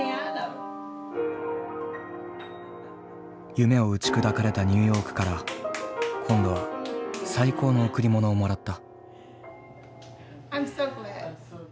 夢を打ち砕かれたニューヨークから今度は最高の贈り物をもらった。